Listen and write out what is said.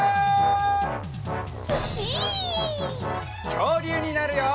きょうりゅうになるよ！